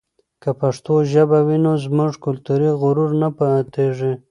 که پښتو ژبه وي نو زموږ کلتوري غرور نه ماتېږي.